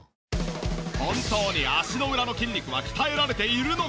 本当に足の裏の筋肉は鍛えられているのか？